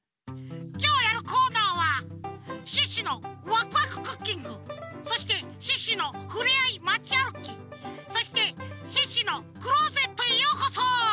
きょうやるコーナーは「シュッシュのワクワククッキング」そして「シュッシュのふれあいまちあるき」そして「シュッシュのクローゼットへようこそ」！